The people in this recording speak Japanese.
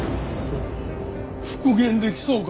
復元出来そうか？